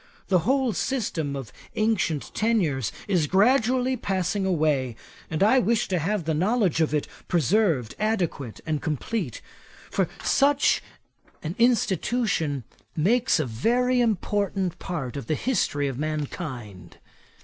The whole system of ancient tenures is gradually passing away; and I wish to have the knowledge of it preserved adequate and complete. For such an institution makes a very important part of the history of mankind.